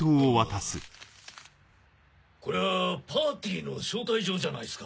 これはパーティーの招待状じゃないっスか。